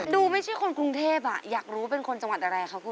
ดูไม่ใช่คนกรุงเทพอยากรู้เป็นคนจังหวัดอะไรคะคุณ